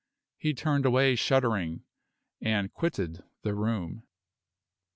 He turned away shuddering, and quitted the room.